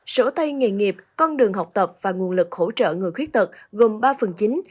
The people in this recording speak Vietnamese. sổ tay nghề nghiệp con đường học tập và nguồn lực hỗ trợ người khuyết tật gồm ba phần chín